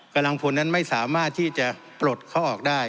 กำลังพลนั้นไม่สามารถที่จะปลดเขาออกได้